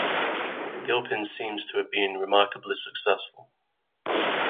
Gilpin seems to have been remarkably successful.